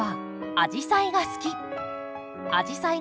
アジサイが咲く